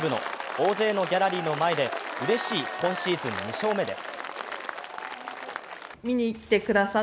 大勢のギャラリーの前でうれしい今シーズン２勝目です。